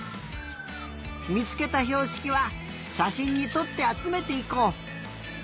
みつけたひょうしきはしゃしんにとってあつめていこう。